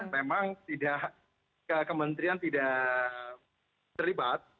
memang tidak kementerian tidak terlibat